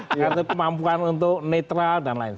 tergantung kemampuan untuk netral dan lain sebagainya